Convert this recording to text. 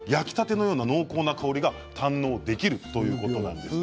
数秒レンチンして温めると焼きたてのような濃厚な香りが堪能できるということです。